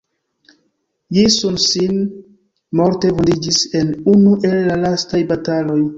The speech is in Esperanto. Ji Sun-sin morte vundiĝis en unu el la lastaj bataloj.